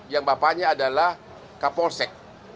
yang bapaknya adalah kapolsek